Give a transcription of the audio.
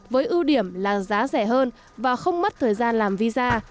với ưu điểm là giá rẻ hơn và không mất thời gian làm visa